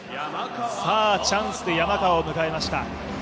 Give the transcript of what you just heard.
チャンスで山川を迎えました。